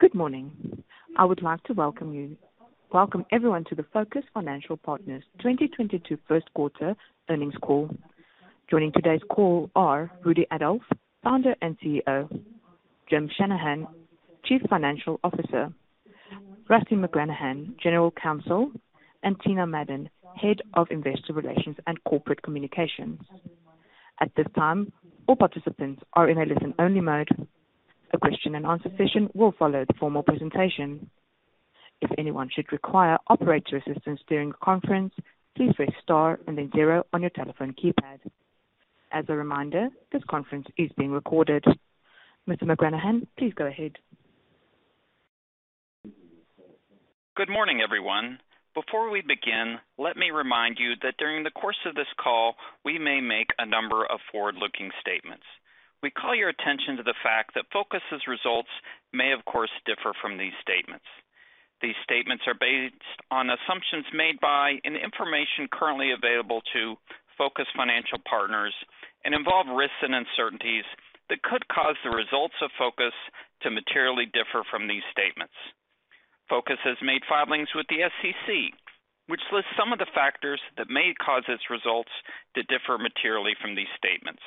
Good morning. I would like to welcome everyone to the Focus Financial Partners 2022 first quarter earnings call. Joining today's call are Rudy Adolf, founder and CEO, Jim Shanahan, Chief Financial Officer, Rusty McGranahan, General Counsel, and Tina Madon, Head of Investor Relations and Corporate Communications. At this time, all participants are in a listen-only mode. A question and answer session will follow the formal presentation. If anyone should require operator assistance during the conference, please press star and then zero on your telephone keypad. As a reminder, this conference is being recorded. Mr. McGranahan, please go ahead. Good morning, everyone. Before we begin, let me remind you that during the course of this call, we may make a number of forward-looking statements. We call your attention to the fact that Focus's results may of course differ from these statements. These statements are based on assumptions made by and the information currently available to Focus Financial Partners and involve risks and uncertainties that could cause the results of Focus to materially differ from these statements. Focus has made filings with the SEC, which lists some of the factors that may cause its results to differ materially from these statements.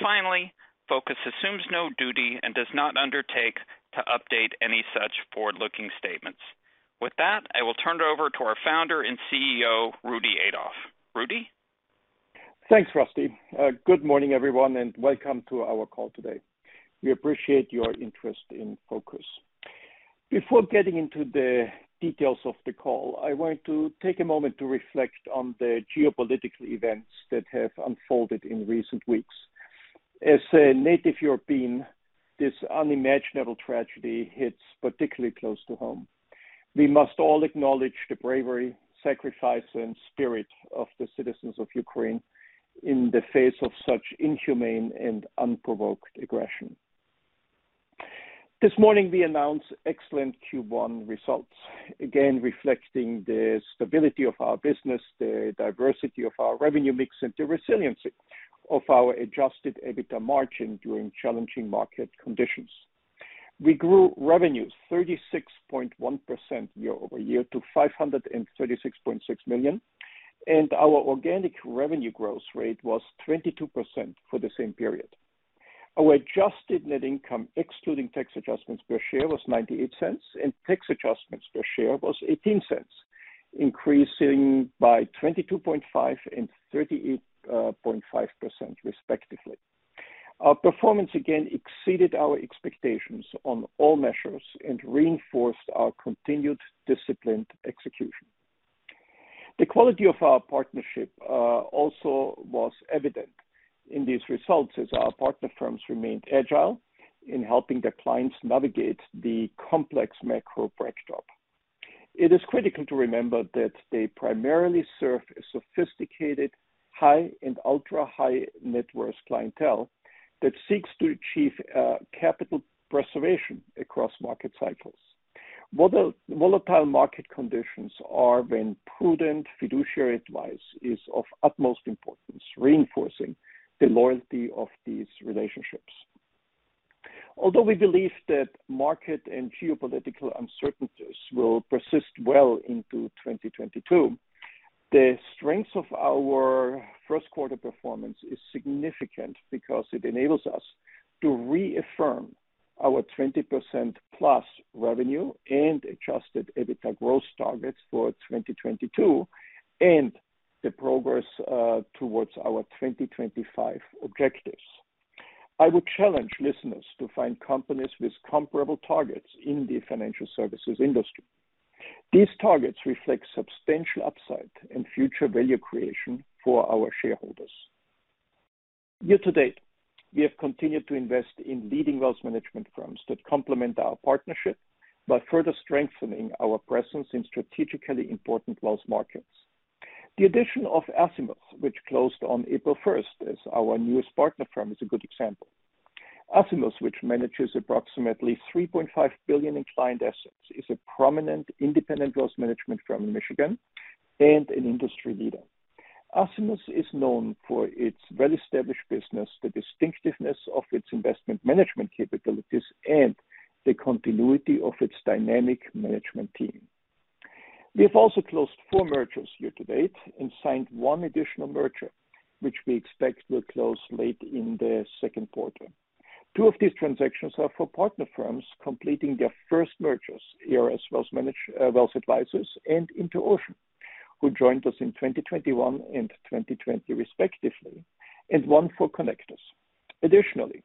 Finally, Focus assumes no duty and does not undertake to update any such forward-looking statements. With that, I will turn it over to our founder and CEO, Rudy Adolf. Rudy? Thanks, Rusty. Good morning, everyone, and welcome to our call today. We appreciate your interest in Focus. Before getting into the details of the call, I want to take a moment to reflect on the geopolitical events that have unfolded in recent weeks. As a native European, this unimaginable tragedy hits particularly close to home. We must all acknowledge the bravery, sacrifice, and spirit of the citizens of Ukraine in the face of such inhumane and unprovoked aggression. This morning we announced excellent Q1 results, again reflecting the stability of our business, the diversity of our revenue mix, and the resiliency of our Adjusted EBITDA margin during challenging market conditions. We grew revenue 36.1% year-over-year to $536.6 million, and our organic revenue growth rate was 22% for the same period. Our Adjusted Net Income Excluding Tax Adjustments per share was $0.98, and Tax Adjustments per share was $0.18, increasing by 22.5% and 38.5% respectively. Our performance again exceeded our expectations on all measures and reinforced our continued disciplined execution. The quality of our partnership also was evident in these results as our partner firms remained agile in helping their clients navigate the complex macro backdrop. It is critical to remember that they primarily serve a sophisticated high and ultra-high net worth clientele that seeks to achieve capital preservation across market cycles. Volatile market conditions are when prudent fiduciary advice is of utmost importance, reinforcing the loyalty of these relationships. Although we believe that market and geopolitical uncertainties will persist well into 2022, the strength of our first quarter performance is significant because it enables us to reaffirm our 20%+ revenue and adjusted EBITDA growth targets for 2022 and the progress towards our 2025 objectives. I would challenge listeners to find companies with comparable targets in the financial services industry. These targets reflect substantial upside and future value creation for our shareholders. Year to date, we have continued to invest in leading wealth management firms that complement our partnership by further strengthening our presence in strategically important wealth markets. The addition of Azimuth, which closed on April first as our newest partner firm, is a good example. Azimuth, which manages approximately $3.5 billion in client assets, is a prominent independent wealth management firm in Michigan and an industry leader. Azimuth is known for its well-established business, the distinctiveness of its investment management capabilities, and the continuity of its dynamic management team. We have also closed four mergers year to date and signed one additional merger which we expect will close late in the second quarter. Two of these transactions are for partner firms completing their first mergers, ARS Wealth Advisors and Iconoclast, who joined us in 2021 and 2020 respectively, and one for Connectus. Additionally,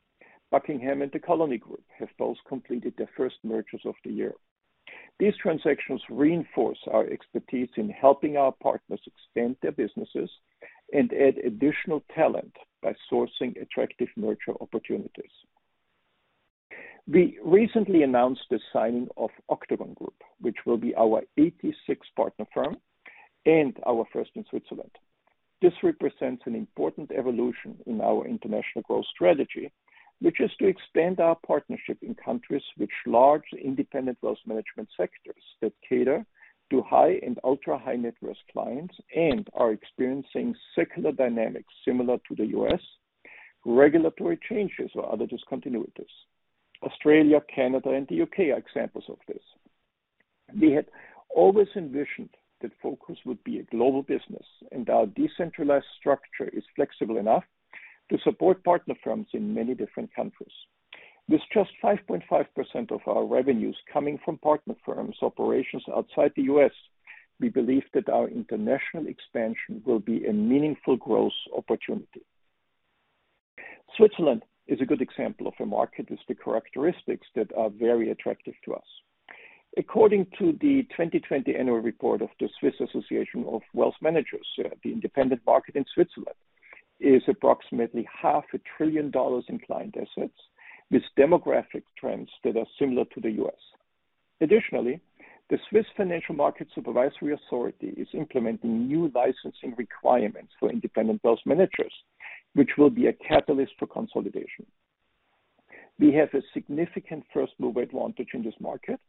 Buckingham and The Colony Group have both completed their first mergers of the year. These transactions reinforce our expertise in helping our partners expand their businesses and add additional talent by sourcing attractive merger opportunities. We recently announced the signing of Octogone, which will be our 86th partner firm and our first in Switzerland. This represents an important evolution in our international growth strategy, which is to expand our partnership in countries with large independent wealth management sectors that cater to high and ultra-high net worth clients and are experiencing secular dynamics similar to the U.S., regulatory changes or other discontinuities. Australia, Canada, and the U.K. are examples of this. We had always envisioned that Focus would be a global business, and our decentralized structure is flexible enough to support partner firms in many different countries. With just 5.5% of our revenues coming from partner firms operations outside the U.S., we believe that our international expansion will be a meaningful growth opportunity. Switzerland is a good example of a market with the characteristics that are very attractive to us. According to the 2020 annual report of the Swiss Association of Asset Managers, the independent market in Switzerland is approximately $ half a trillion in client assets, with demographic trends that are similar to the U.S. Additionally, the Swiss Financial Market Supervisory Authority is implementing new licensing requirements for independent wealth managers, which will be a catalyst for consolidation. We have a significant first move advantage in this market,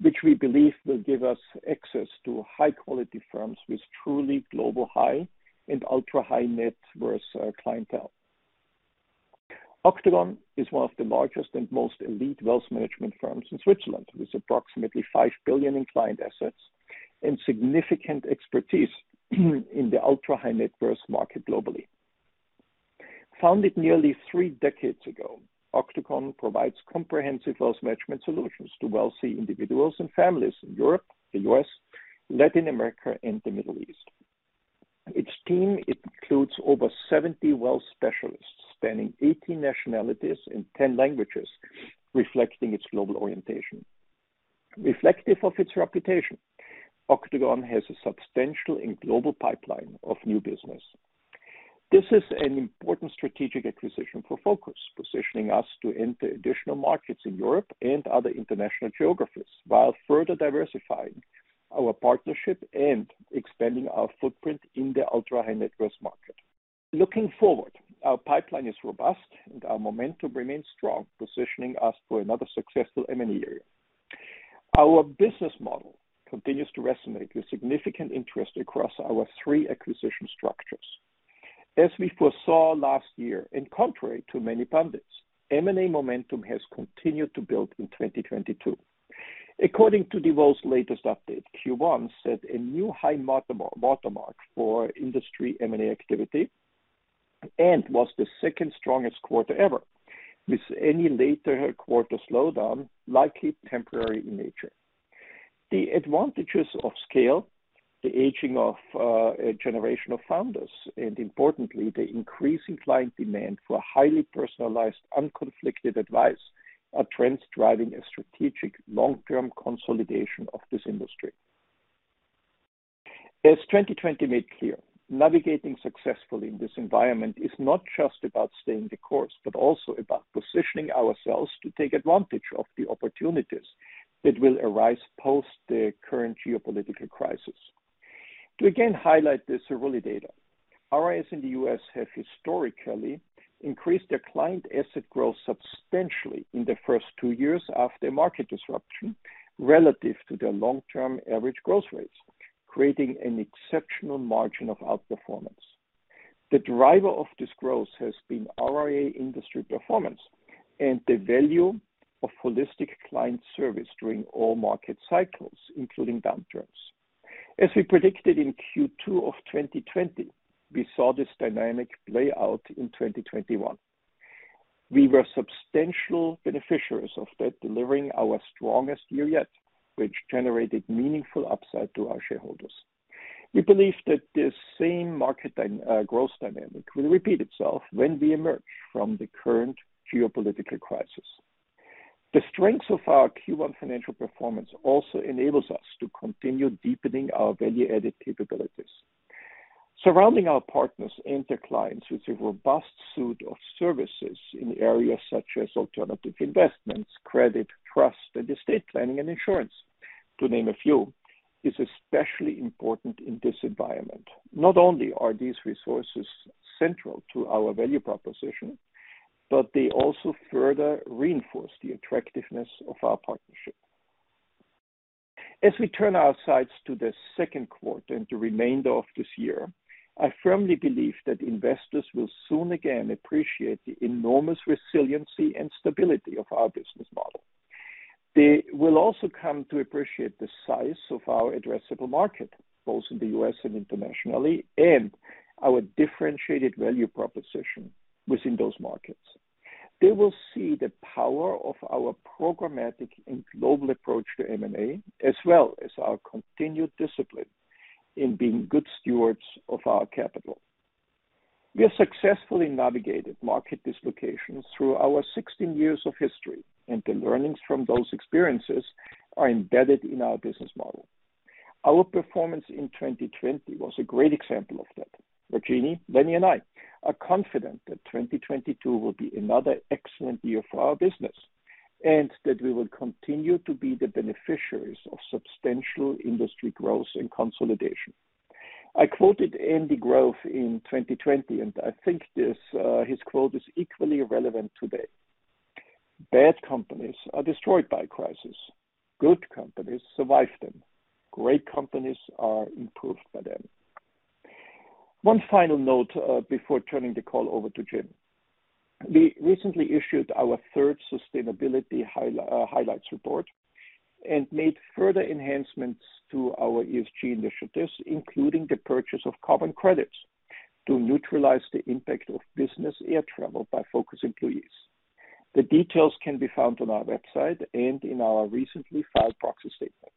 which we believe will give us access to high quality firms with truly global high and ultra high net worth clientele. Octogone is one of the largest and most elite wealth management firms in Switzerland, with approximately $5 billion in client assets and significant expertise in the ultra high net worth market globally. Founded nearly three decades ago, Octogone provides comprehensive wealth management solutions to wealthy individuals and families in Europe, the U.S., Latin America, and the Middle East. Its team includes over 70 wealth specialists spanning 18 nationalities in 10 languages, reflecting its global orientation. Reflective of its reputation, Octogone has a substantial and global pipeline of new business. This is an important strategic acquisition for Focus, positioning us to enter additional markets in Europe and other international geographies while further diversifying our partnership and expanding our footprint in the ultra high net worth market. Looking forward, our pipeline is robust and our momentum remains strong, positioning us for another successful M&A year. Our business model continues to resonate with significant interest across our three acquisition structures. As we foresaw last year and contrary to many pundits, M&A momentum has continued to build in 2022. According to DeVoe's latest update, Q1 set a new high watermark for industry M&A activity and was the second strongest quarter ever, with any later quarter slowdown likely temporary in nature. The advantages of scale, the aging of a generation of founders, and importantly, the increasing client demand for highly personalized, unconflicted advice are trends driving a strategic long-term consolidation of this industry. As 2020 made clear, navigating successfully in this environment is not just about staying the course, but also about positioning ourselves to take advantage of the opportunities that will arise post the current geopolitical crisis. To again highlight this early data, RIAs in the U.S. have historically increased their client asset growth substantially in the first two years after market disruption relative to their long-term average growth rates, creating an exceptional margin of outperformance. The driver of this growth has been RIA industry performance and the value of holistic client service during all market cycles, including downturns. As we predicted in Q2 of 2020, we saw this dynamic play out in 2021. We were substantial beneficiaries of that, delivering our strongest year yet, which generated meaningful upside to our shareholders. We believe that this same market growth dynamic will repeat itself when we emerge from the current geopolitical crisis. The strength of our Q1 financial performance also enables us to continue deepening our value add capabilities. Surrounding our partners and their clients with a robust suite of services in areas such as alternative investments, credit, trust, and estate planning and insurance, to name a few, is especially important in this environment. Not only are these resources central to our value proposition, but they also further reinforce the attractiveness of our partnership. As we turn our sights to the second quarter and the remainder of this year, I firmly believe that investors will soon again appreciate the enormous resiliency and stability of our business model. They will also come to appreciate the size of our addressable market, both in the U.S. and internationally, and our differentiated value proposition within those markets. They will see the power of our programmatic and global approach to M&A, as well as our continued discipline in being good stewards of our capital. We have successfully navigated market dislocations through our 16 years of history, and the learnings from those experiences are embedded in our business model. Our performance in 2020 was a great example of that. Rajini, Leonard and I are confident that 2022 will be another excellent year for our business and that we will continue to be the beneficiaries of substantial industry growth and consolidation. I quoted Andy Grove in 2020, and I think this, his quote is equally relevant today. Bad companies are destroyed by crisis. Good companies survive them. Great companies are improved by them. One final note before turning the call over to Jim. We recently issued our third sustainability highlights report and made further enhancements to our ESG initiatives, including the purchase of carbon credits to neutralize the impact of business air travel by Focus employees. The details can be found on our website and in our recently filed proxy statement.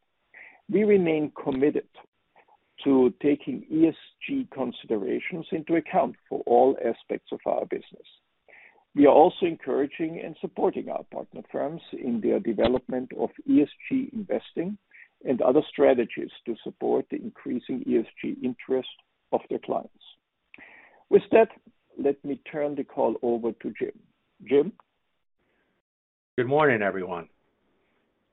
We remain committed to taking ESG considerations into account for all aspects of our business. We are also encouraging and supporting our partner firms in their development of ESG investing and other strategies to support the increasing ESG interest of their clients. With that, let me turn the call over to Jim. Jim? Good morning, everyone.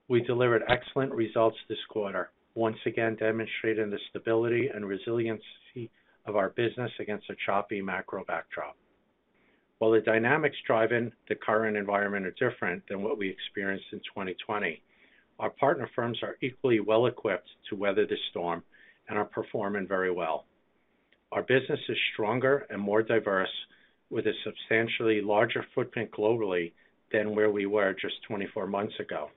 We delivered excellent results this quarter, once again demonstrating the stability and resiliency of our business against a choppy macro backdrop. While the dynamics driving the current environment are different than what we experienced in 2020, our partner firms are equally well-equipped to weather the storm and are performing very well. Our business is stronger and more diverse, with a substantially larger footprint globally than where we were just 24 months ago.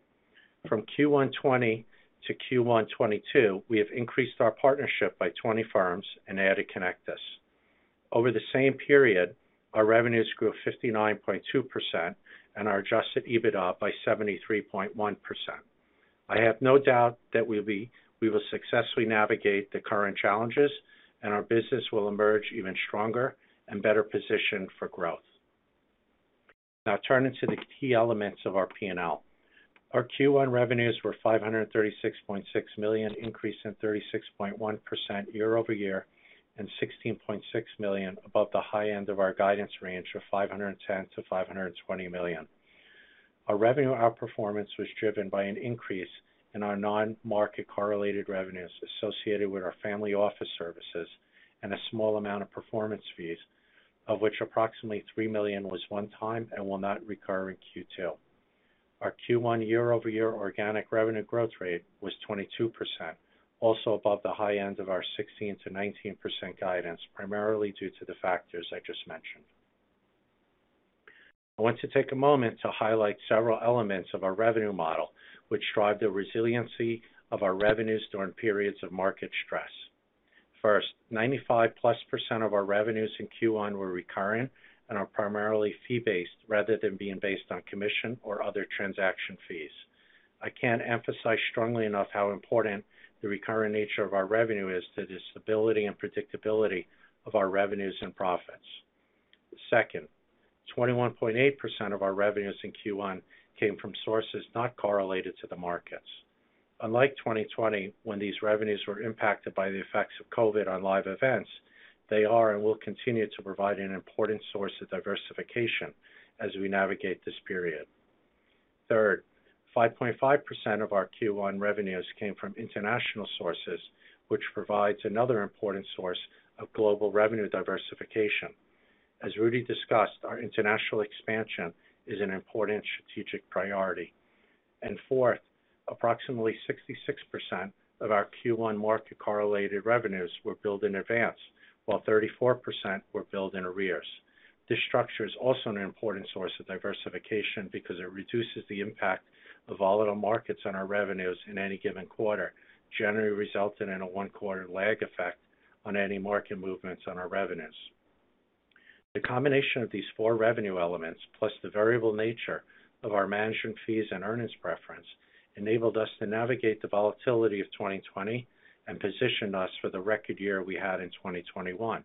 From Q1 2020 to Q1 2022, we have increased our partnership by 20 firms and added Connectus. Over the same period, our revenues grew 59.2% and our adjusted EBITDA by 73.1%. I have no doubt that we will successfully navigate the current challenges, and our business will emerge even stronger and better positioned for growth. Now turning to the key elements of our P&L. Our Q1 revenues were $536.6 million, increase in 36.1% year-over-year and $16.6 million above the high end of our guidance range of $510 million-$520 million. Our revenue outperformance was driven by an increase in our non-market correlated revenues associated with our family office services and a small amount of performance fees, of which approximately $3 million was one time and will not recur in Q2. Our Q1 year-over-year organic revenue growth rate was 22%, also above the high end of our 16%-19% guidance, primarily due to the factors I just mentioned. I want to take a moment to highlight several elements of our revenue model which drive the resiliency of our revenues during periods of market stress. First, 95%+ of our revenues in Q1 were recurring and are primarily fee based rather than being based on commission or other transaction fees. I can't emphasize strongly enough how important the recurring nature of our revenue is to the stability and predictability of our revenues and profits. Second, 21.8% of our revenues in Q1 came from sources not correlated to the markets. Unlike 2020, when these revenues were impacted by the effects of COVID on live events, they are and will continue to provide an important source of diversification as we navigate this period. Third, 5.5% of our Q1 revenues came from international sources, which provides another important source of global revenue diversification. As Rudy discussed, our international expansion is an important strategic priority. Fourth, approximately 66% of our Q1 market-correlated revenues were billed in advance, while 34% were billed in arrears. This structure is also an important source of diversification because it reduces the impact of volatile markets on our revenues in any given quarter, generally resulting in a one-quarter lag effect on any market movements on our revenues. The combination of these four revenue elements, plus the variable nature of our management fees and earnings preference, enabled us to navigate the volatility of 2020 and positioned us for the record year we had in 2021.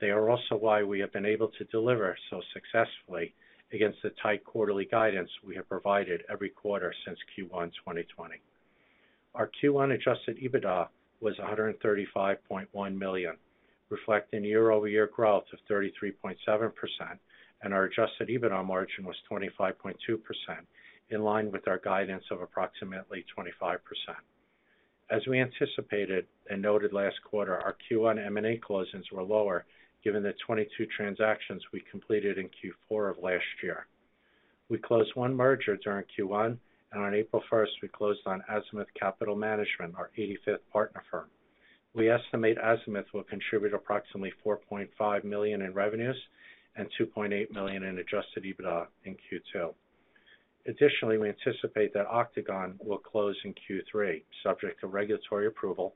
They are also why we have been able to deliver so successfully against the tight quarterly guidance we have provided every quarter since Q1 2020. Our Q1 Adjusted EBITDA was $135.1 million, reflecting year-over-year growth of 33.7%, and our Adjusted EBITDA margin was 25.2%, in line with our guidance of approximately 25%. As we anticipated and noted last quarter, our Q1 M&A closings were lower given the 22 transactions we completed in Q4 of last year. We closed one merger during Q1, and on April 1st, we closed on Azimuth Capital Management, our eighty-fifth partner firm. We estimate Azimuth will contribute approximately $4.5 million in revenues and $2.8 million in Adjusted EBITDA in Q2. Additionally, we anticipate that Octogone will close in Q3, subject to regulatory approval,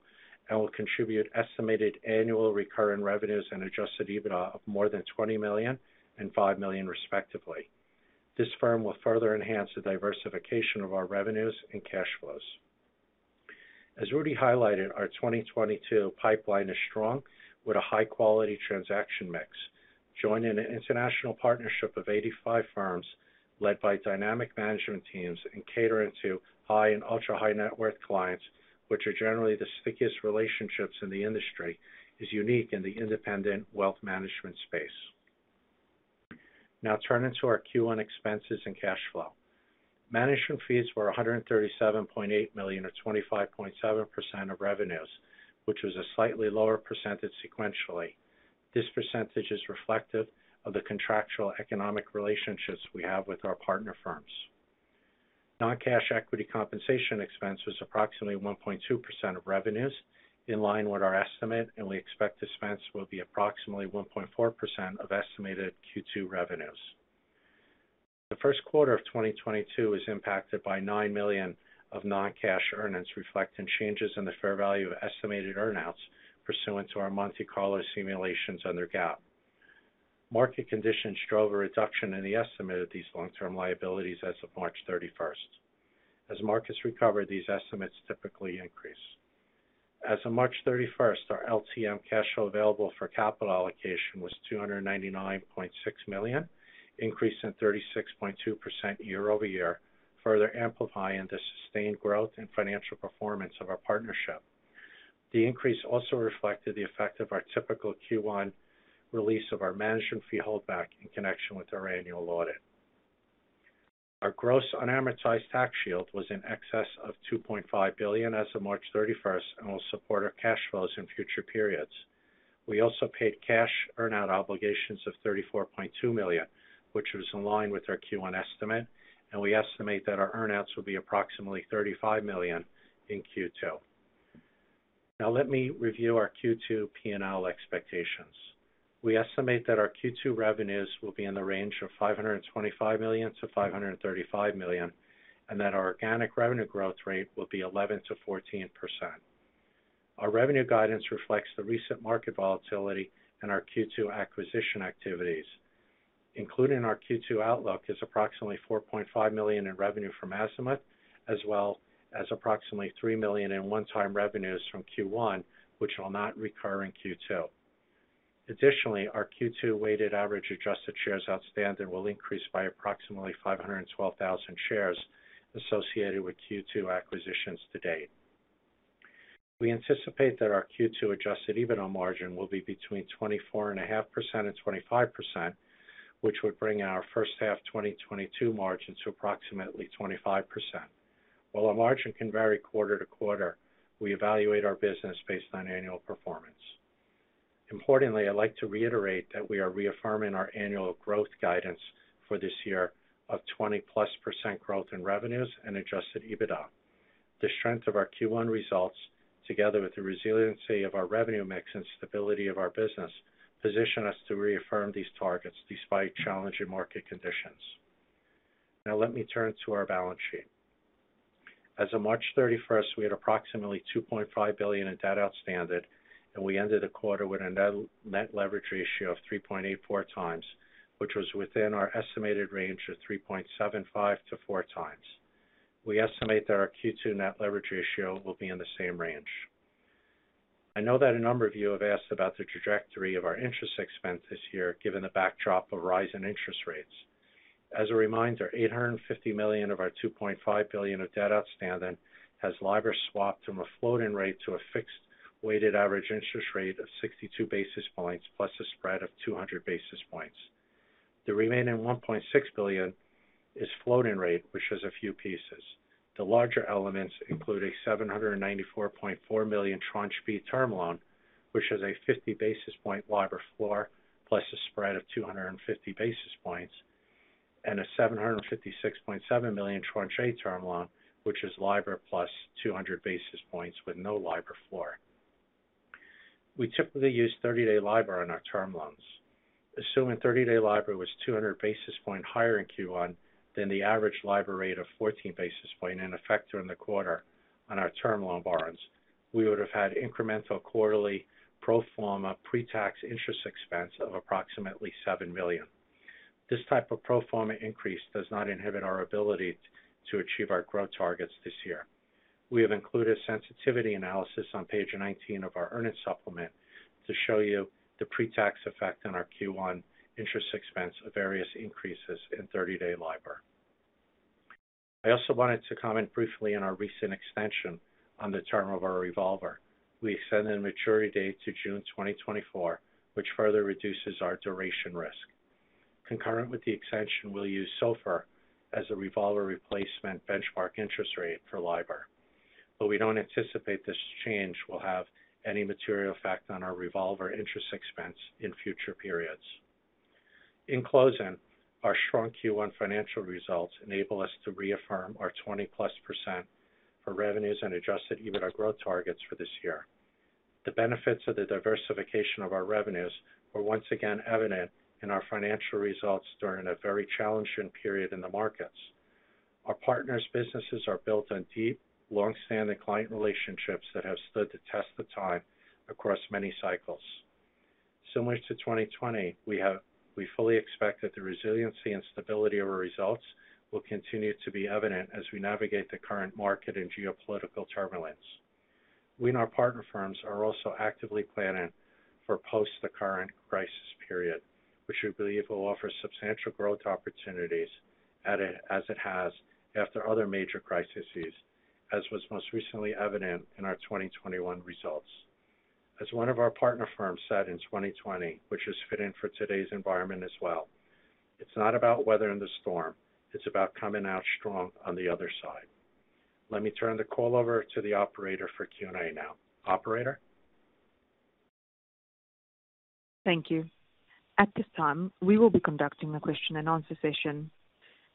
and will contribute estimated annual recurring revenues and Adjusted EBITDA of more than $20 million and $5 million respectively. This firm will further enhance the diversification of our revenues and cash flows. As Rudy highlighted, our 2022 pipeline is strong with a high-quality transaction mix. Joining an international partnership of 85 firms led by dynamic management teams and catering to high and ultra-high net worth clients, which are generally the stickiest relationships in the industry, is unique in the independent wealth management space. Now turning to our Q1 expenses and cash flow. Management fees were $137.8 million, or 25.7% of revenues, which was a slightly lower percentage sequentially. This percentage is reflective of the contractual economic relationships we have with our partner firms. Non-cash equity compensation expense was approximately 1.2% of revenues, in line with our estimate, and we expect expense will be approximately 1.4% of estimated Q2 revenues. The first quarter of 2022 is impacted by $9 million of non-cash earnings, reflecting changes in the fair value of estimated earn outs pursuant to our Monte Carlo simulations under GAAP. Market conditions drove a reduction in the estimate of these long-term liabilities as of March 31st. As markets recover, these estimates typically increase. As of March 31st, our LTM cash flow available for capital allocation was $299.6 million, increasing 36.2% year-over-year, further amplifying the sustained growth and financial performance of our partnership. The increase also reflected the effect of our typical Q1 release of our management fee holdback in connection with our annual audit. Our gross unamortized tax shield was in excess of $2.5 billion as of March 31st, and will support our cash flows in future periods. We also paid cash earn out obligations of $34.2 million, which was in line with our Q1 estimate, and we estimate that our earn outs will be approximately $35 million in Q2. Now let me review our Q2 P&L expectations. We estimate that our Q2 revenues will be in the range of $525 million-$535 million, and that our organic revenue growth rate will be 11%-14%. Our revenue guidance reflects the recent market volatility and our Q2 acquisition activities. Included in our Q2 outlook is approximately $4.5 million in revenue from Azimuth, as well as approximately $3 million in one-time revenues from Q1, which will not recur in Q2. Additionally, our Q2 weighted average adjusted shares outstanding will increase by approximately 512,000 shares associated with Q2 acquisitions to date. We anticipate that our Q2 Adjusted EBITDA margin will be between 24.5% and 25%, which would bring our first half 2022 margin to approximately 25%. While our margin can vary quarter to quarter, we evaluate our business based on annual performance. Importantly, I'd like to reiterate that we are reaffirming our annual growth guidance for this year of 20+% growth in revenues and Adjusted EBITDA. The strength of our Q1 results, together with the resiliency of our revenue mix and stability of our business, position us to reaffirm these targets despite challenging market conditions. Now let me turn to our balance sheet. As of March 31st, we had approximately $2.5 billion in debt outstanding, and we ended the quarter with a net leverage ratio of 3.84x, which was within our estimated range of 3.75x to 4x. We estimate that our Q2 net leverage ratio will be in the same range. I know that a number of you have asked about the trajectory of our interest expense this year, given the backdrop of rising interest rates. As a reminder, $850 million of our $2.5 billion of debt outstanding has LIBOR swapped from a floating rate to a fixed weighted average interest rate of 62 basis points, plus a spread of 200 basis points. The remaining $1.6 billion is floating rate, which has a few pieces. The larger elements include a $794.4 million tranche B term loan, which has a 50 basis point LIBOR floor plus a spread of 250 basis points, and a $756.7 million tranche A term loan, which is LIBOR + 200 basis points with no LIBOR floor. We typically use thirty-day LIBOR on our term loans. Assuming 30-day LIBOR was 200 basis points higher in Q1 than the average LIBOR rate of 14 basis points in effect during the quarter on our term loan borrowings, we would have had incremental quarterly pro forma pre-tax interest expense of approximately $7 million. This type of pro forma increase does not inhibit our ability to achieve our growth targets this year. We have included sensitivity analysis on page 19 of our earnings supplement to show you the pre-tax effect on our Q1 interest expense of various increases in 30-day LIBOR. I also wanted to comment briefly on our recent extension on the term of our revolver. We extended the maturity date to June 2024, which further reduces our duration risk. Concurrent with the extension, we'll use SOFR as a revolver replacement benchmark interest rate for LIBOR, but we don't anticipate this change will have any material effect on our revolver interest expense in future periods. In closing, our strong Q1 financial results enable us to reaffirm our 20%+ for revenues and Adjusted EBITDA growth targets for this year. The benefits of the diversification of our revenues were once again evident in our financial results during a very challenging period in the markets. Our partners' businesses are built on deep, long-standing client relationships that have stood the test of time across many cycles. Similar to 2020, we fully expect that the resiliency and stability of our results will continue to be evident as we navigate the current market and geopolitical turbulence. We and our partner firms are also actively planning for post the current crisis period, which we believe will offer substantial growth opportunities as it has after other major crises, as was most recently evident in our 2021 results. As one of our partner firms said in 2020, which is fitting for today's environment as well, "It's not about weathering the storm, it's about coming out strong on the other side. Let me turn the call over to the operator for Q and A now. Operator? Thank you. At this time, we will be conducting a question and answer session.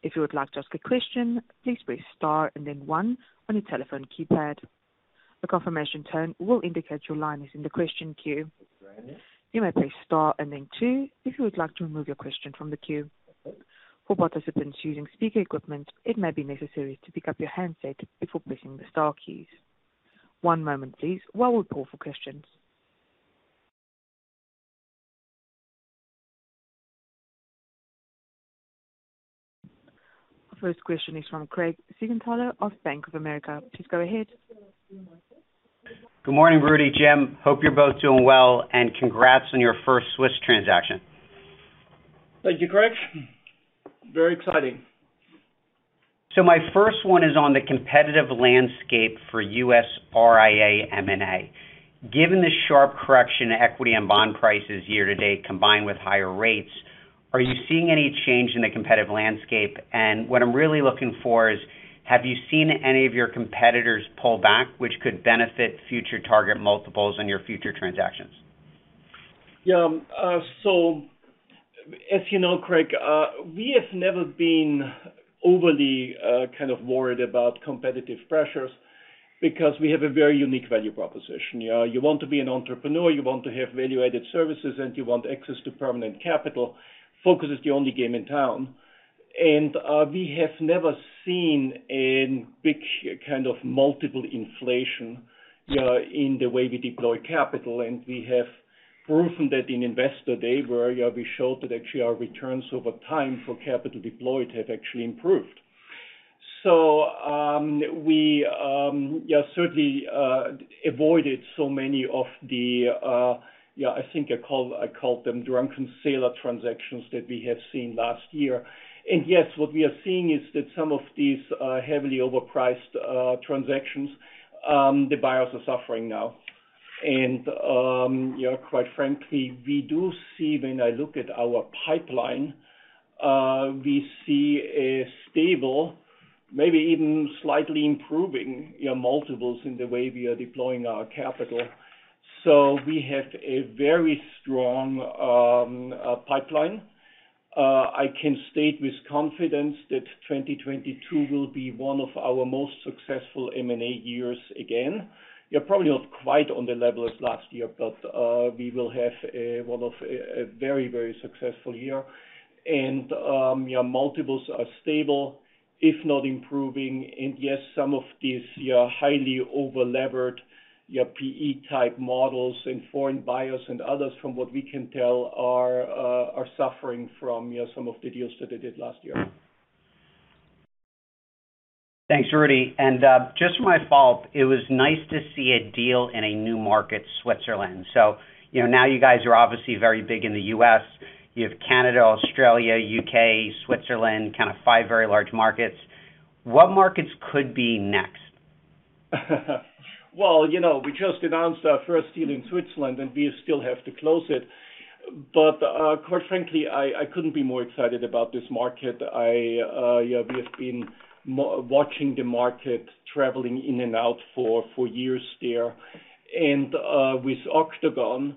If you would like to ask a question, please press Star and then one on your telephone keypad. A confirmation tone will indicate your line is in the question queue. You may press star and then two if you would like to remove your question from the queue. For participants using speaker equipment, it may be necessary to pick up your handset before pressing the star keys. One moment please while we call for questions. First question is from Craig Siegenthaler of Bank of America. Please go ahead. Good morning, Rudy, Jim. Hope you're both doing well, and congrats on your first Swiss transaction. Thank you, Craig. Very exciting. My first one is on the competitive landscape for U.S. RIA M&A. Given the sharp correction in equity and bond prices year to date, combined with higher rates, are you seeing any change in the competitive landscape? What I'm really looking for is, have you seen any of your competitors pull back, which could benefit future target multiples on your future transactions? Yeah. As you know, Craig, we have never been overly, kind of worried about competitive pressures because we have a very unique value proposition. You know, you want to be an entrepreneur, you want to have value-added services, and you want access to permanent capital. Focus is the only game in town. We have never seen a big kind of multiple inflation in the way we deploy capital. We have proven that in Investor Day, where we showed that actually our returns over time for capital deployed have actually improved. We certainly avoided so many of the, I think I called them drunken sailor transactions that we have seen last year. Yes, what we are seeing is that some of these, heavily overpriced, transactions, the buyers are suffering now. Quite frankly, we do see when I look at our pipeline, we see a stable, maybe even slightly improving, you know, multiples in the way we are deploying our capital. We have a very strong pipeline. I can state with confidence that 2022 will be one of our most successful M&A years again. Yeah, probably not quite on the level as last year, but we will have one of a very successful year. Multiples are stable, if not improving. Yes, some of these highly over-levered PE type models and foreign buyers and others from what we can tell are suffering from, you know, some of the deals that they did last year. Thanks, Rudy. Just my fault, it was nice to see a deal in a new market, Switzerland. You know, now you guys are obviously very big in the U.S. You have Canada, Australia, U.K., Switzerland, kind of five very large markets. What markets could be next? Well, you know, we just announced our first deal in Switzerland, and we still have to close it. Quite frankly, I couldn't be more excited about this market. I yeah, we have been watching the market, traveling in and out for years there. With Octogone,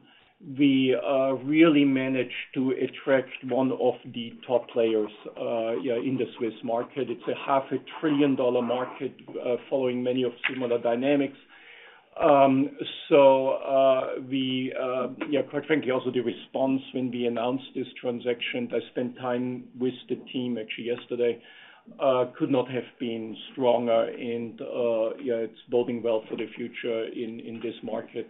we really managed to attract one of the top players, yeah, in the Swiss market. It's a half a trillion-dollar market, following many of similar dynamics. Quite frankly, the response when we announced this transaction, I spent time with the team actually yesterday, could not have been stronger and, yeah, it's boding well for the future in this market.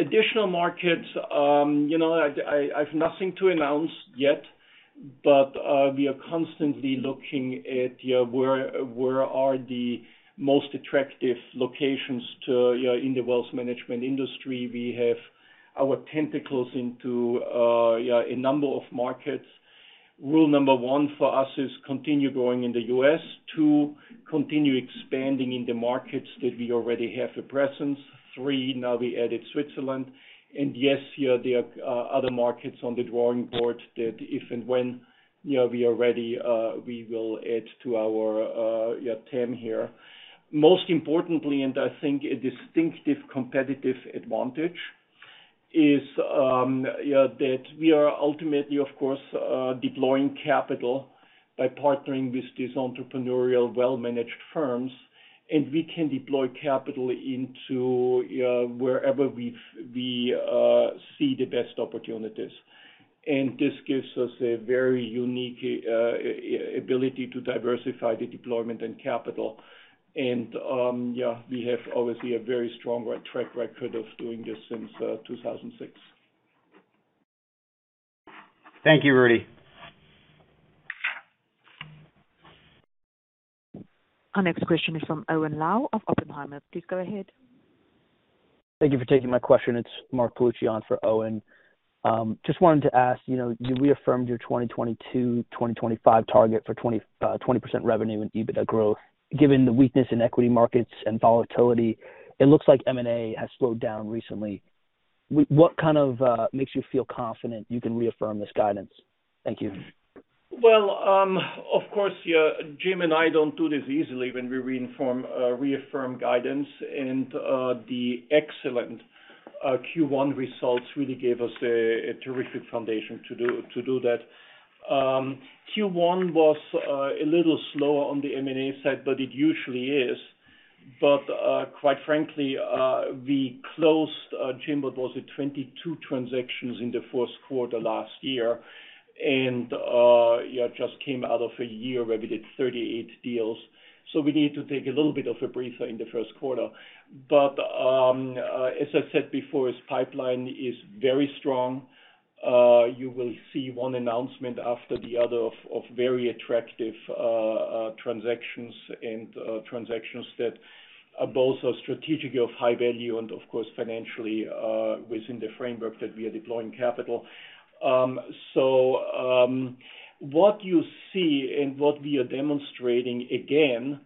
Additional markets, you know, I've nothing to announce yet, but we are constantly looking at, you know, where are the most attractive locations to, you know, in the wealth management industry. We have our tentacles into a number of markets. Rule number one for us is continue growing in the U.S. Two, continue expanding in the markets that we already have a presence. Three, now we added Switzerland. Yes, you know, there are other markets on the drawing board that if and when, you know, we are ready, we will add to our team here. Most importantly, I think a distinctive competitive advantage is that we are ultimately, of course, deploying capital by partnering with these entrepreneurial well-managed firms, and we can deploy capital into wherever we see the best opportunities. This gives us a very unique ability to diversify the deployment and capital. We have obviously a very strong track record of doing this since 2006. Thank you, Rudy. Our next question is from Owen Lau of Oppenheimer. Please go ahead. Thank you for taking my question. It's Mark Pulciani for Owen. Just wanted to ask, you know, you reaffirmed your 2022-2025 target for 20% revenue and EBITDA growth. Given the weakness in equity markets and volatility, it looks like M&A has slowed down recently. What kind of makes you feel confident you can reaffirm this guidance? Thank you. Well, of course, yeah, Jim and I don't do this easily when we reaffirm guidance. The excellent Q1 results really gave us a terrific foundation to do that. Q1 was a little slower on the M&A side, but it usually is. Quite frankly, we closed, Jim, what was it? 22 transactions in the first quarter last year. Yeah, just came out of a year where we did 38 deals. We need to take a little bit of a breather in the first quarter. As I said before, this pipeline is very strong. You will see one announcement after the other of very attractive transactions that both are strategically of high value and of course, financially, within the framework that we are deploying capital. What you see and what we are demonstrating again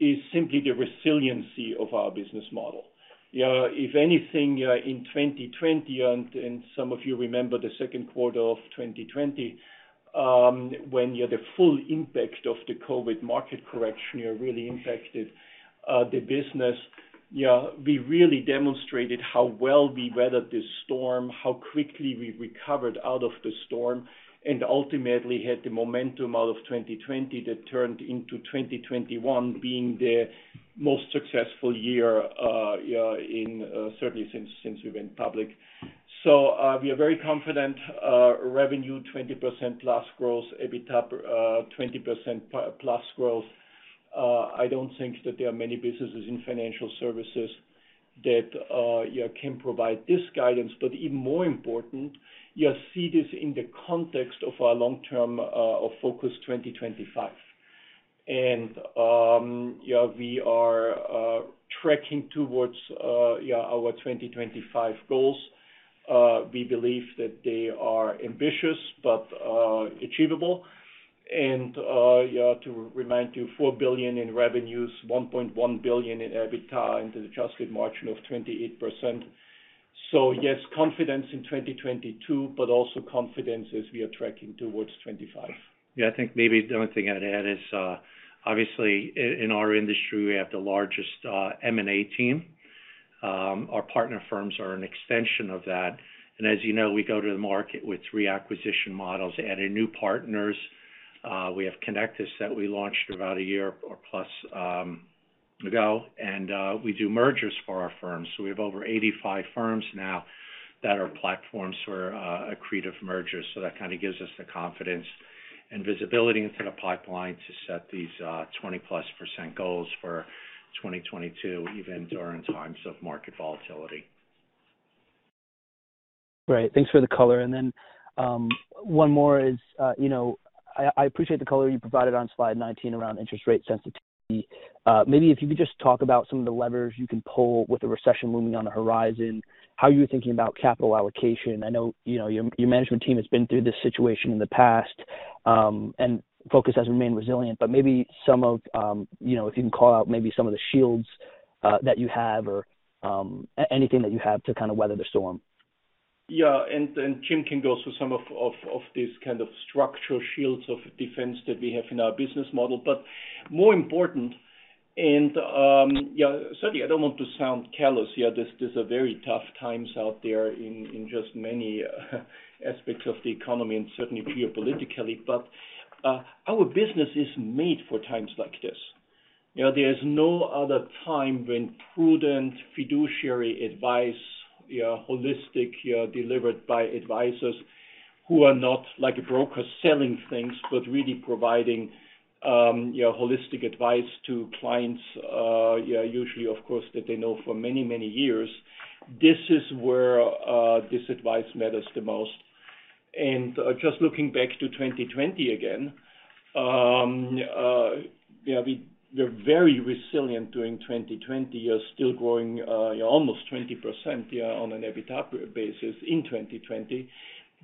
is simply the resiliency of our business model. If anything, in 2020 and some of you remember the second quarter of 2020, when the full impact of the COVID market correction really impacted the business. We really demonstrated how well we weathered this storm, how quickly we recovered out of the storm, and ultimately had the momentum out of 2020 that turned into 2021 being the most successful year, certainly since we went public. We are very confident, revenue 20%+ growth, EBITDA, 20%+ growth. I don't think that there are many businesses in financial services that can provide this guidance. Even more important, you see this in the context of our long-term of Focus 2025. We are tracking towards our 2025 goals. We believe that they are ambitious but achievable. To remind you, $4 billion in revenues, $1.1 billion in EBITDA, and an adjusted margin of 28%. Yes, confidence in 2022, but also confidence as we are tracking towards 2025. Yeah. I think maybe the only thing I'd add is, obviously in our industry, we have the largest M&A team. Our partner firms are an extension of that. As you know, we go to the market with three acquisition models, adding new partners. We have Connectus that we launched about a year or plus ago. We do mergers for our firms. We have over 85 firms now that are platforms for accretive mergers. That kinda gives us the confidence and visibility into the pipeline to set these 20%+ goals for 2022, even during times of market volatility. Great. Thanks for the color. One more is, you know, I appreciate the color you provided on slide 19 around interest rate sensitivity. Maybe if you could just talk about some of the levers you can pull with the recession looming on the horizon, how you're thinking about capital allocation. I know, you know, your management team has been through this situation in the past, and Focus has remained resilient, but maybe some of, you know, if you can call out maybe some of the shields that you have or anything that you have to kind of weather the storm. Yeah. Jim can go through some of these kind of structural shields of defense that we have in our business model. More important, certainly I don't want to sound callous. These are very tough times out there in just many aspects of the economy and certainly geopolitically. Our business is made for times like this. You know, there is no other time when prudent fiduciary advice, yeah, holistic, delivered by advisors who are not like a broker selling things, but really providing, you know, holistic advice to clients, yeah, usually of course, that they know for many, many years. This is where this advice matters the most. Just looking back to 2020 again, we're very resilient during 2020. We are still growing almost 20% on an EBITDA basis in 2020.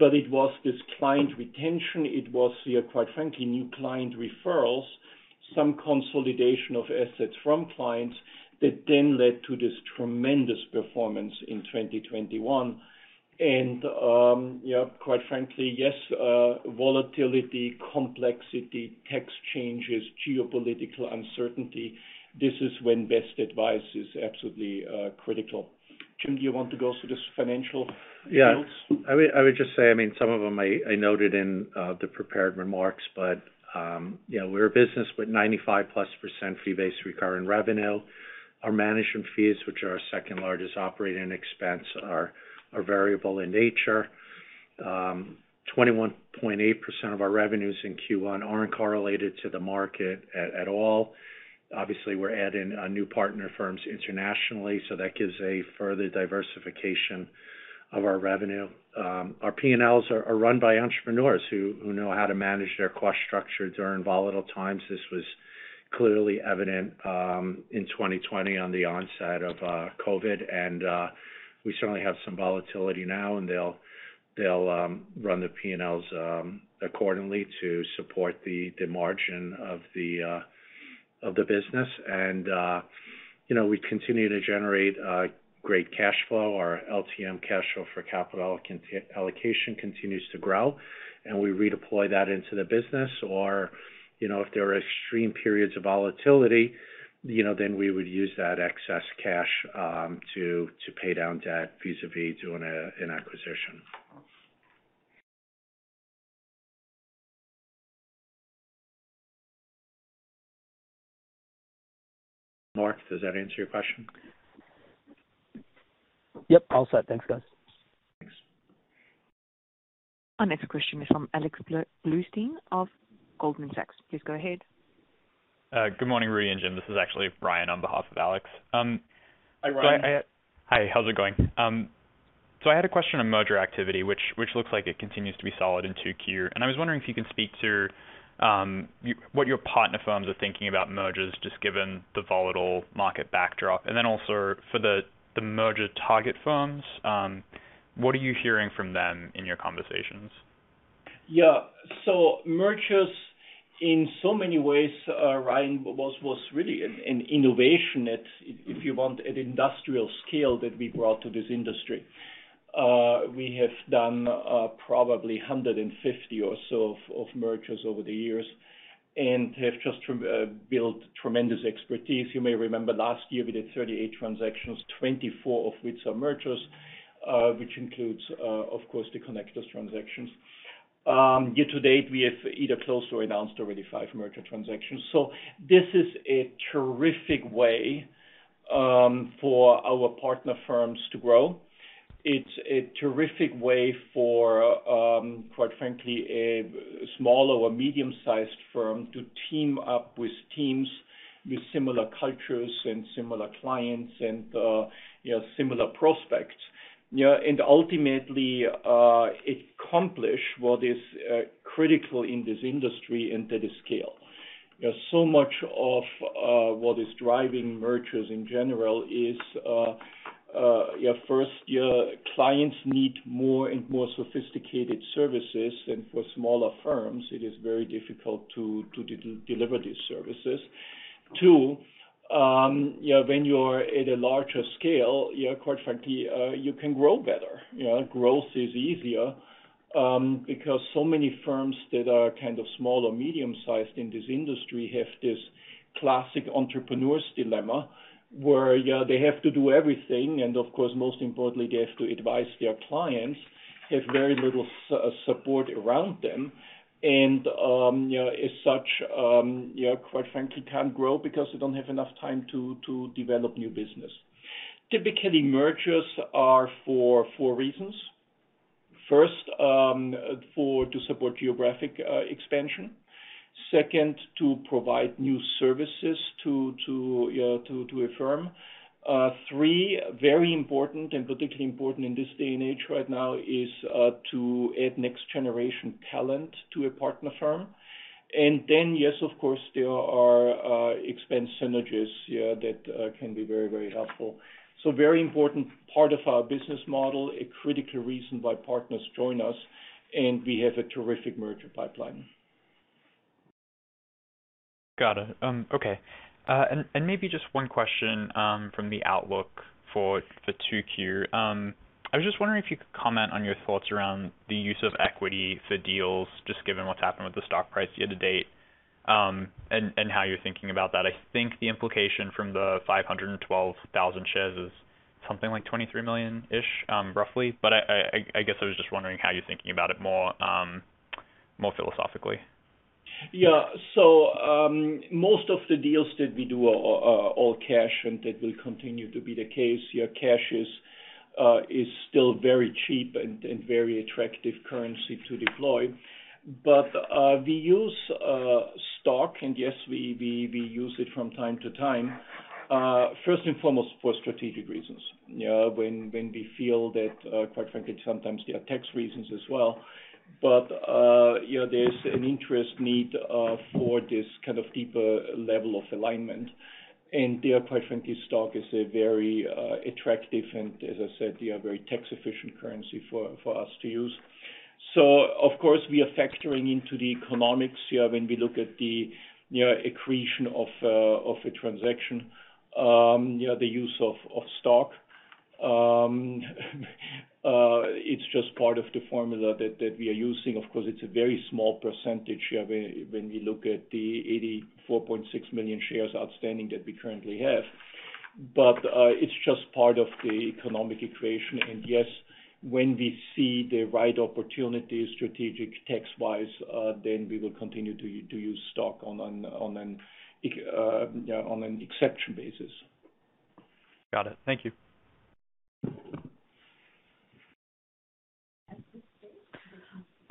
It was this client retention, quite frankly, new client referrals, some consolidation of assets from clients that then led to this tremendous performance in 2021. Quite frankly, yes, volatility, complexity, tax changes, geopolitical uncertainty, this is when best advice is absolutely critical. Jim, do you want to go through this financial details? Yeah. I would just say, I mean, some of them I noted in the prepared remarks, but yeah, we're a business with 95%+ fee-based recurring revenue. Our management fees, which are our second-largest operating expense, are variable in nature. 21.8% of our revenues in Q1 aren't correlated to the market at all. Obviously, we're adding new partner firms internationally, so that gives a further diversification of our revenue. Our P&Ls are run by entrepreneurs who know how to manage their cost structure during volatile times. This was clearly evident in 2020 on the onset of COVID. We certainly have some volatility now, and they'll run the P&Ls accordingly to support the margin of the. Of the business. You know, we continue to generate great cash flow. Our LTM cash flow for capital allocation continues to grow, and we redeploy that into the business. You know, if there are extreme periods of volatility, you know, then we would use that excess cash to pay down debt vis-à-vis doing an acquisition. Mark, does that answer your question? Yep, all set. Thanks, guys. Thanks. Our next question is from Alex Blostein of Goldman Sachs. Please go ahead. Good morning, Rudy and Jim. This is actually Ryan on behalf of Alex. Hi, Ryan. Hi. How's it going? I had a question on merger activity, which looks like it continues to be solid in Q2. I was wondering if you could speak to what your partner firms are thinking about mergers, just given the volatile market backdrop. Also for the merger target firms, what are you hearing from them in your conversations? Yeah. Mergers, in so many ways, Ryan, was really an innovation at, if you want, at industrial scale that we brought to this industry. We have done probably 150 or so of mergers over the years and have just built tremendous expertise. You may remember last year we did 38 transactions, 24 of which are mergers, which includes, of course, the Connectus transactions. Year to date, we have either closed or announced already five merger transactions. This is a terrific way for our partner firms to grow. It's a terrific way for, quite frankly, a small or medium-sized firm to team up with teams with similar cultures and similar clients and, you know, similar prospects. You know, and ultimately, accomplish what is critical in this industry and to the scale. You know, so much of what is driving mergers in general is first, your clients need more and more sophisticated services, and for smaller firms, it is very difficult to deliver these services. Two, you know, when you're at a larger scale, you know, quite frankly, you can grow better. You know, growth is easier, because so many firms that are kind of small or medium-sized in this industry have this classic entrepreneur's dilemma, where, you know, they have to do everything, and of course, most importantly, they have to advise their clients, have very little support around them. You know, as such, you know, quite frankly, can't grow because they don't have enough time to develop new business. Typically, mergers are for 4 reasons. First, to support geographic expansion. Second, to provide new services to a firm. Third, very important and particularly important in this day and age right now is to add next-generation talent to a partner firm. Then, yes, of course, there are expense synergies, yeah, that can be very, very helpful. Very important part of our business model, a critical reason why partners join us, and we have a terrific merger pipeline. Got it. Okay. Maybe just one question from the outlook for Q2. I was just wondering if you could comment on your thoughts around the use of equity for deals, just given what's happened with the stock price year to date, and how you're thinking about that. I think the implication from the 512,000 shares is something like $23 million-ish, roughly. I guess I was just wondering how you're thinking about it more, more philosophically. Yeah. Most of the deals that we do are all cash, and that will continue to be the case. Your cash is still very cheap and very attractive currency to deploy. We use stock, and yes, we use it from time to time, first and foremost, for strategic reasons. You know, when we feel that, quite frankly, sometimes there are tax reasons as well. You know, there's an interest in this kind of deeper level of alignment. There, quite frankly, stock is a very attractive and, as I said, a very tax-efficient currency for us to use. Of course, we are factoring into the economics, yeah, when we look at the, you know, accretion of a transaction, you know, the use of stock. It's just part of the formula that we are using. Of course, it's a very small percentage, yeah, when we look at the 84.6 million shares outstanding that we currently have. It's just part of the economic accretion. Yes, when we see the right opportunity, strategic, tax-wise, then we will continue to use stock on an exception basis. Got it. Thank you.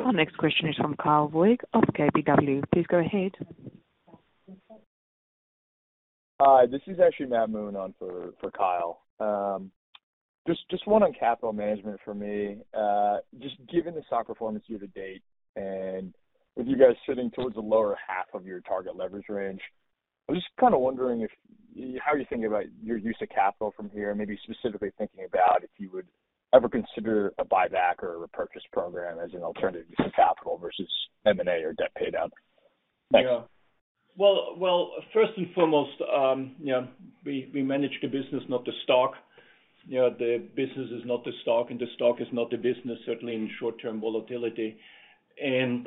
Our next question is from Kyle Voigt of KBW. Please go ahead. Hi, this is actually Matt Moon on for Kyle Voigt. Just one on capital management for me. Just given the stock performance year to date, and with you guys sitting towards the lower half of your target leverage range, I'm just kind of wondering how you are thinking about your use of capital from here? Maybe specifically thinking about if you would ever consider a buyback or repurchase program as an alternative to capital versus M&A or debt pay down? Thanks. Yeah. Well, first and foremost, you know, we manage the business, not the stock. You know, the business is not the stock, and the stock is not the business, certainly in short-term volatility. Yeah,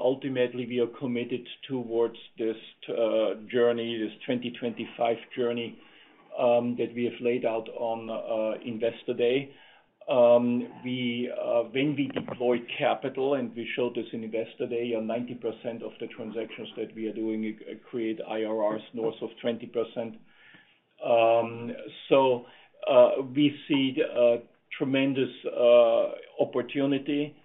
ultimately, we are committed towards this journey, this 2025 journey, that we have laid out on our Investor Day. We, when we deploy capital, and we showed this in Investor Day, on 90% of the transactions that we are doing it create IRRs north of 20%. So, we see a tremendous opportunity.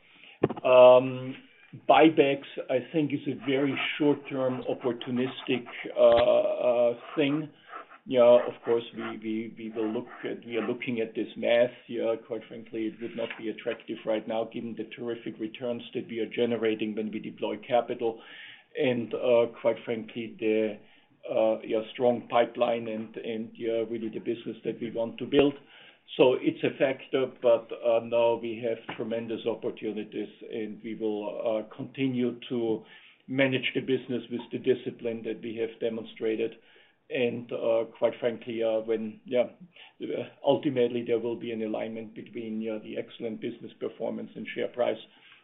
Buybacks, I think, is a very short-term opportunistic thing. Yeah, of course, we will look at—we are looking at this math. Quite frankly, it would not be attractive right now given the terrific returns that we are generating when we deploy capital and quite frankly the strong pipeline and really the business that we want to build. It's a factor, but no we have tremendous opportunities, and we will continue to manage the business with the discipline that we have demonstrated. Quite frankly, when ultimately there will be an alignment between you know the excellent business performance and share price.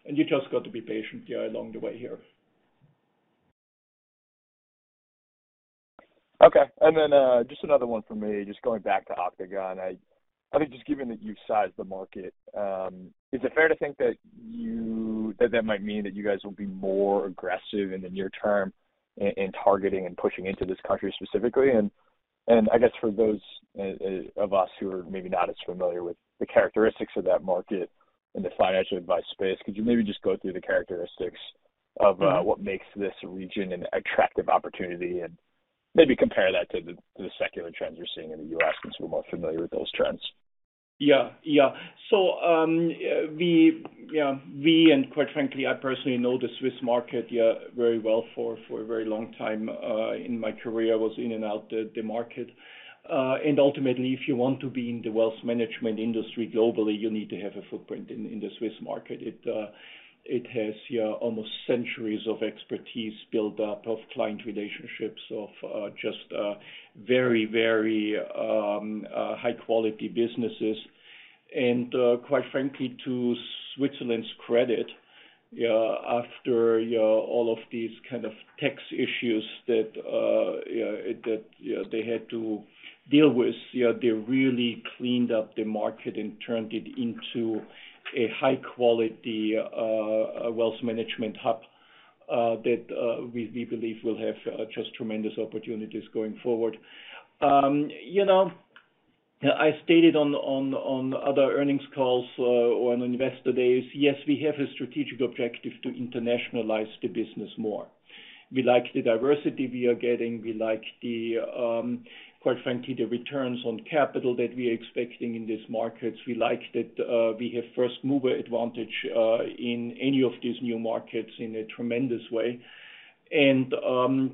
You just got to be patient along the way here. Okay. Just another one for me, just going back to Octogone. I think just given that you've sized the market, is it fair to think that might mean that you guys will be more aggressive in the near term in targeting and pushing into this country specifically? I guess for those of us who are maybe not as familiar with the characteristics of that market in the financial advice space, could you maybe just go through the characteristics of Mm-hmm. What makes this region an attractive opportunity and maybe compare that to the secular trends you're seeing in the U.S. since we're more familiar with those trends. Yeah. We and quite frankly, I personally know the Swiss market very well for a very long time in my career. I was in and out the market. Ultimately, if you want to be in the wealth management industry globally, you need to have a footprint in the Swiss market. It has almost centuries of expertise built up of client relationships of just very high-quality businesses. Quite frankly, to Switzerland's credit, after all of these kind of tax issues that they had to deal with, they really cleaned up the market and turned it into a high-quality wealth management hub that we believe will have just tremendous opportunities going forward. You know, I stated on other earnings calls or on Investor Days. Yes, we have a strategic objective to internationalize the business more. We like the diversity we are getting. We like, quite frankly, the returns on capital that we are expecting in these markets. We like that we have first mover advantage in any of these new markets in a tremendous way.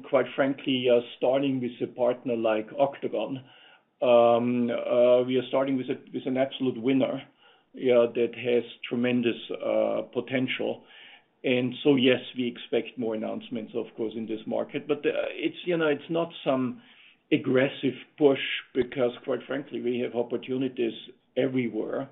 Quite frankly, starting with a partner like Octogone, we are starting with an absolute winner, yeah, that has tremendous potential. Yes, we expect more announcements, of course, in this market. You know, it's not some aggressive push because, quite frankly, we have opportunities everywhere.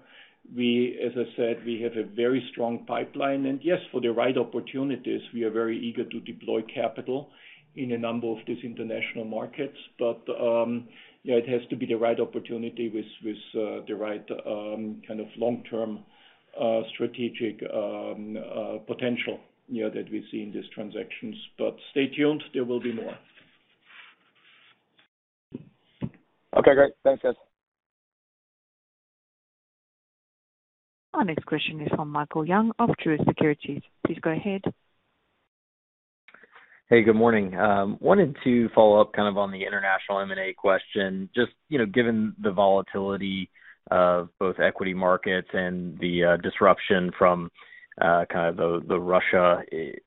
As I said, we have a very strong pipeline. Yes, for the right opportunities, we are very eager to deploy capital in a number of these international markets. It has to be the right opportunity with the right kind of long-term strategic potential, you know, that we see in these transactions. Stay tuned, there will be more. Okay, great. Thanks, guys. Our next question is from Michael Young of Truist Securities. Please go ahead. Hey, good morning. Wanted to follow up kind of on the international M&A question, just, you know, given the volatility of both equity markets and the disruption from kind of the Russia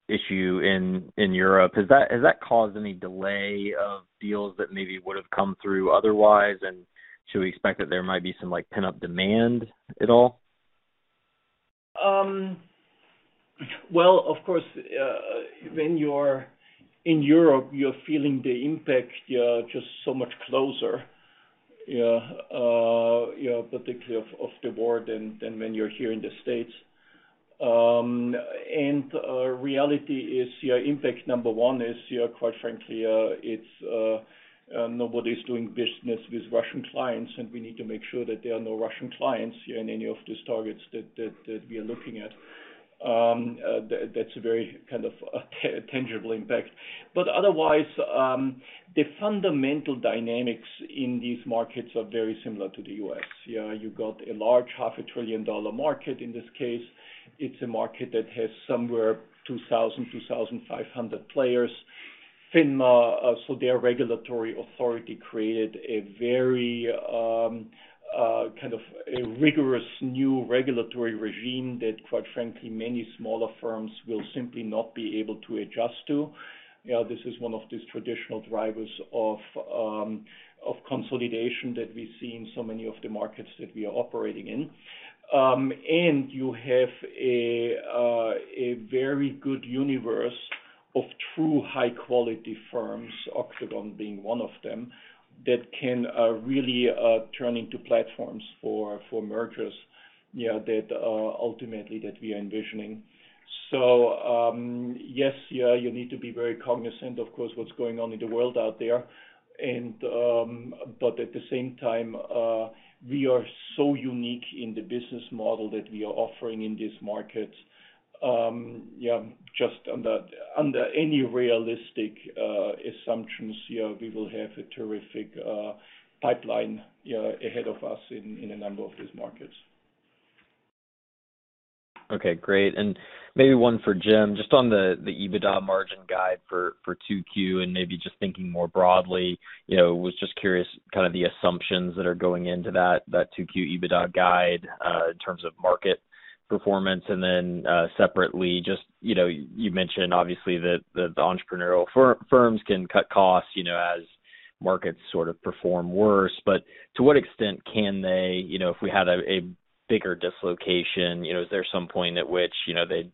issue in Europe. Has that caused any delay of deals that maybe would have come through otherwise? And should we expect that there might be some like pent-up demand at all? Well, of course, when you're in Europe, you're feeling the impact just so much closer, particularly of the war than when you're here in the States. Reality is your impact number one is quite frankly, it's nobody's doing business with Russian clients, and we need to make sure that there are no Russian clients here in any of these targets that we are looking at. That's a very kind of tangible impact. Otherwise, the fundamental dynamics in these markets are very similar to the U.S.. You got a large half a trillion-dollar market in this case. It's a market that has somewhere 2,000-2,500 players. FINMA, so their regulatory authority created a very kind of a rigorous new regulatory regime that, quite frankly, many smaller firms will simply not be able to adjust to. Yeah, this is one of these traditional drivers of consolidation that we see in so many of the markets that we are operating in. You have a very good universe of true high-quality firms, Octogone being one of them, that can really turn into platforms for mergers, yeah, that ultimately we are envisioning. Yes, yeah, you need to be very cognizant, of course, what's going on in the world out there and, but at the same time, we are so unique in the business model that we are offering in these markets, yeah, just under any realistic assumptions, yeah, we will have a terrific pipeline, yeah, ahead of us in a number of these markets. Okay, great. Maybe one for Jim, just on the EBITDA margin guide for Q2, and maybe just thinking more broadly, you know, I was just curious kind of the assumptions that are going into that Q2 EBITDA guide in terms of market performance. Then, separately, just, you know, you mentioned obviously that the entrepreneurial firms can cut costs, you know, as markets sort of perform worse. To what extent can they, you know, if we had a bigger dislocation, you know, is there some point at which, you know, they,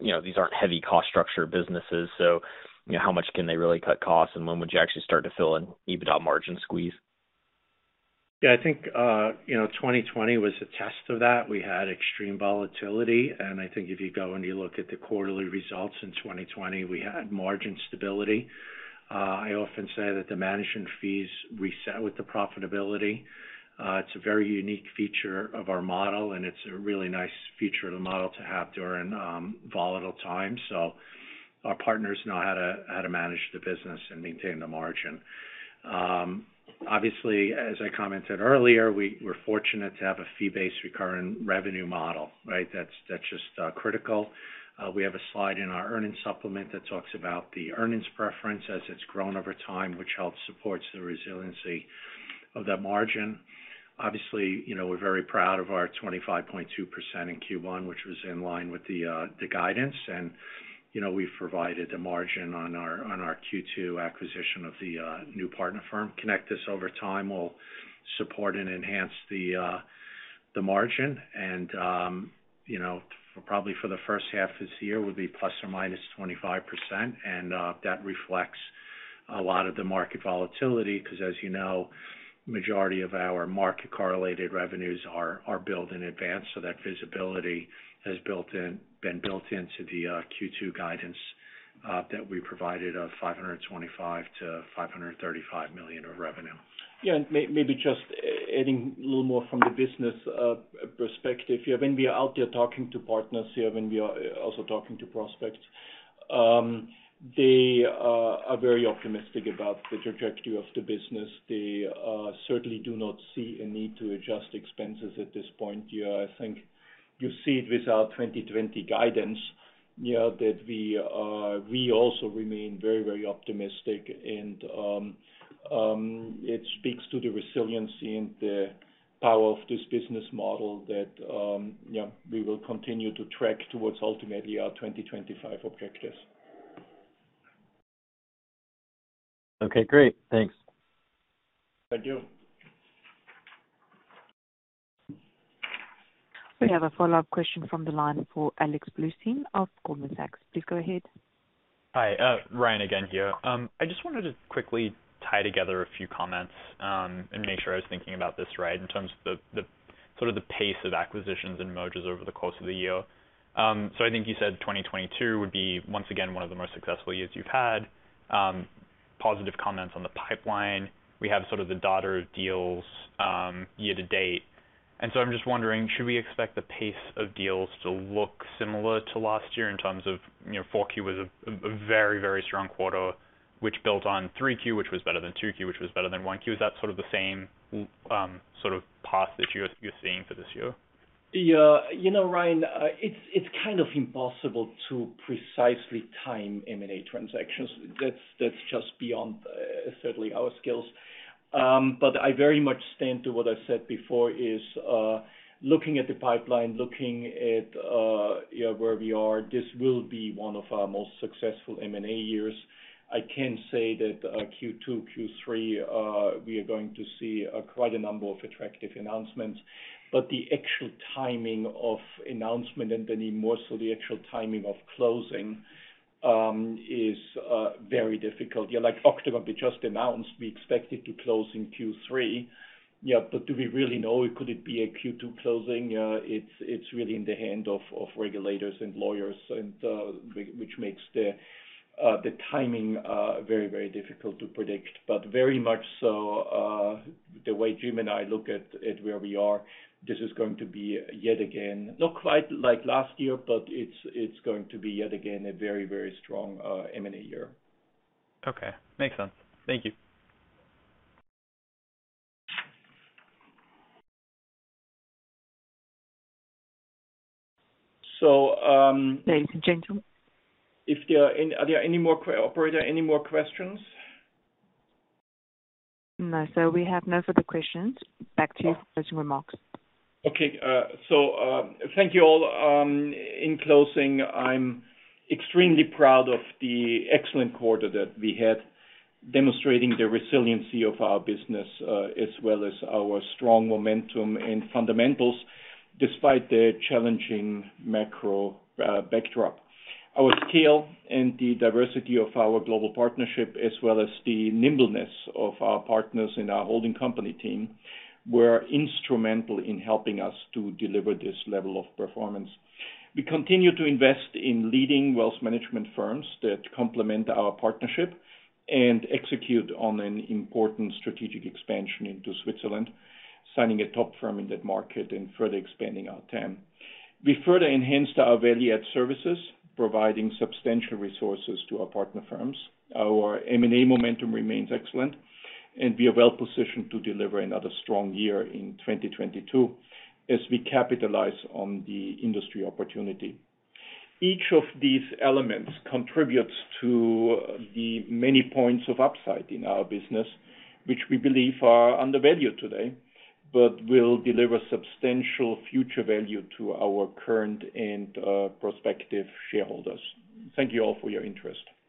you know, these aren't heavy cost structure businesses, so, you know, how much can they really cut costs? And when would you actually start to feel an EBITDA margin squeeze? Yeah, I think, you know, 2020 was a test of that. We had extreme volatility, and I think if you go and you look at the quarterly results in 2020, we had margin stability. I often say that the management fees reset with the profitability. It's a very unique feature of our model, and it's a really nice feature of the model to have during volatile times. Our partners know how to manage the business and maintain the margin. Obviously, as I commented earlier, we're fortunate to have a fee-based recurring revenue model, right? That's just critical. We have a slide in our earnings supplement that talks about the earnings preference as it's grown over time, which supports the resiliency of that margin. Obviously, you know, we're very proud of our 25.2% in Q1, which was in line with the guidance. You know, we've provided the margin on our Q2 acquisition of the new partner firm. Connectus over time will support and enhance the margin. You know, for probably the first half this year will be ±25%. That reflects a lot of the market volatility because as you know, majority of our market correlated revenues are billed in advance. That visibility has been built into the Q2 guidance that we provided of $525 million-$535 million of revenue. Yeah. Maybe just adding a little more from the business perspective. When we are out there talking to partners, when we are also talking to prospects, they are very optimistic about the trajectory of the business. They certainly do not see a need to adjust expenses at this point. Yeah, I think you see it with our 2020 guidance, yeah, that we also remain very, very optimistic. It speaks to the resiliency and the power of this business model that, yeah, we will continue to track towards ultimately our 2025 objectives. Okay, great. Thanks. Thank you. We have a follow-up question from the line for Alexander Blostein of Goldman Sachs. Please go ahead. Hi, Ryan again here. I just wanted to quickly tie together a few comments and make sure I was thinking about this right in terms of the sort of pace of acquisitions and mergers over the course of the year. I think you said 2022 would be, once again, one of the most successful years you've had, positive comments on the pipeline. We have sort of the add-on deals year to date. I'm just wondering, should we expect the pace of deals to look similar to last year in terms of, you know, Q4 was a very, very strong quarter, which built on Q3, which was better than Q2, which was better than Q1. Is that sort of the same sort of path that you're seeing for this year? Yeah. You know, Ryan, it's kind of impossible to precisely time M&A transactions. That's just beyond certainly our skills. I very much stand by what I said before is looking at the pipeline, yeah, where we are, this will be one of our most successful M&A years. I can say that, Q2, Q3, we are going to see quite a number of attractive announcements. The actual timing of announcement and then even more so the actual timing of closing is very difficult. Yeah, like Octogone we just announced, we expect it to close in Q3. Yeah, do we really know? Could it be a Q2 closing? It's really in the hands of regulators and lawyers and which makes the timing very difficult to predict. Very much so, the way Jim and I look at where we are, this is going to be yet again, not quite like last year, but it's going to be yet again a very, very strong M&A year. Okay. Makes sense. Thank you. So, um- Thank you, Jim. If there are any, are there any more questions? Operator, any more questions? No, sir. We have no further questions. Back to you for closing remarks. Okay. Thank you all. In closing, I'm extremely proud of the excellent quarter that we had, demonstrating the resiliency of our business, as well as our strong momentum and fundamentals despite the challenging macro backdrop. Our scale and the diversity of our global partnership as well as the nimbleness of our partners in our holding company team were instrumental in helping us to deliver this level of performance. We continue to invest in leading wealth management firms that complement our partnership and execute on an important strategic expansion into Switzerland, signing a top firm in that market and further expanding our TAM. We further enhanced our value add services, providing substantial resources to our partner firms. Our M&A momentum remains excellent, and we are well positioned to deliver another strong year in 2022 as we capitalize on the industry opportunity. Each of these elements contributes to the many points of upside in our business, which we believe are undervalued today but will deliver substantial future value to our current and prospective shareholders. Thank you all for your interest.